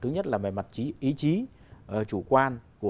thứ nhất là về mặt ý chí chủ quan